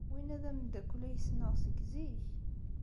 Winna d ameddakel ay ssneɣ seg zik.